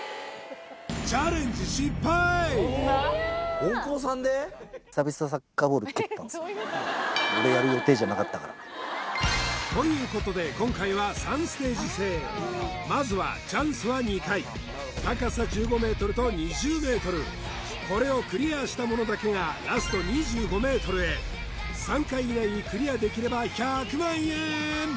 チャレンジ失敗いやあということで今回は高さ１５ｍと２０ｍこれをクリアした者だけがラスト２５ｍへ３回以内にクリアできれば１００万円